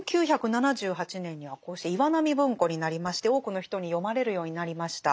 で１９７８年にはこうして岩波文庫になりまして多くの人に読まれるようになりました。